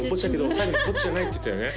最後に「ぼっちじゃない」って言ったよね？